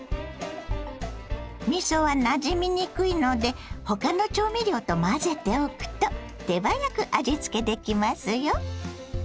みそはなじみにくいので他の調味料と混ぜておくと手早く味付けできますよ。